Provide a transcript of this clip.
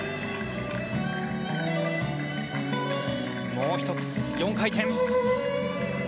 もう１つ、４回転。